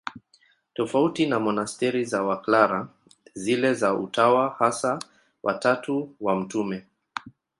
Tofauti na monasteri za Waklara, zile za Utawa Hasa wa Tatu wa Mt.